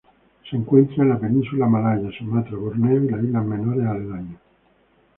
Se encuentra en la península malaya, Sumatra, Borneo y las islas menores aledañas.